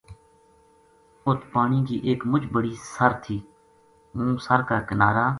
اُت پانی کی ایک مُچ بڑی سر تھی ہوں سر کا کنارا